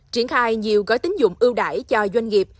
triển khai nhiều gói tính dụng ưu đại cho doanh nghiệp